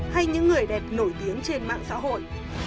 hay những người đẹp nổi tiếng trên mạng xã hội